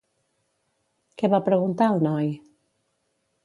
Què va preguntar el noi?